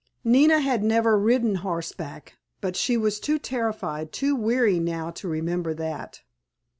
Nina had never ridden horseback, but she was too terrified, too weary now to remember that.